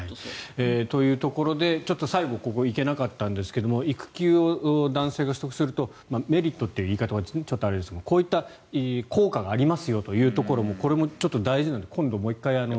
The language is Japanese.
というところでちょっと最後ここ行けなかったんですが育休を男性が取得するとメリットという言い方はちょっとあれですがこういった効果がありますよというところも大事なので今度、もう１回。